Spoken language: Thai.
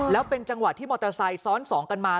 แล้วเป็นจังหวะที่มอเตอร์ไซค์ซ้อนสองกันมา